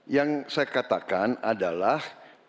yang saya katakan adalah